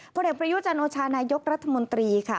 ผลเอกประยุจันโอชานายกรัฐมนตรีค่ะ